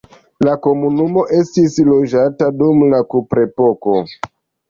La komunumo estis loĝata dum la kuprepoko.